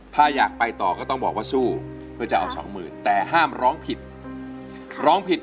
ถ้าอยากไปต่อก็ต้องบอกว่าสู้เพื่อจะเอาสองหมื่นแต่ห้ามร้องผิดร้องผิด